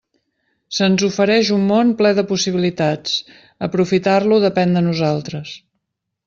Se'ns ofereix un món ple de possibilitats; aprofitar-lo depèn de nosaltres.